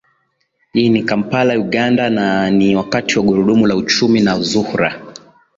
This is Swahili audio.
ini kampala uganda na ni wakati wa gurudumu la uchumi na zuhra